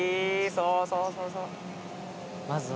そうそうそうそう。